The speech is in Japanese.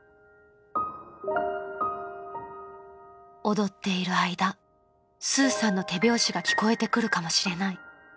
［踊っている間スーさんの手拍子が聞こえてくるかもしれない］